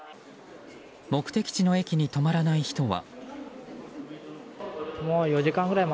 目的地の駅に止まらない人は。